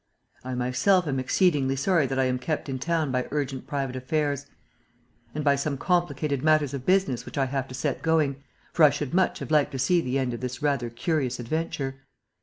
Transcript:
"I myself am exceedingly sorry that I am kept in town by urgent private affairs and by some complicated matters of business which I have to set going, for I should much have liked to see the end of this rather curious adventure.